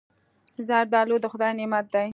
زردالو د خدای نعمت دی.